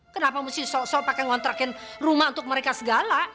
kenapa mesti sok sok pake ngontrakin rumah untuk mereka segala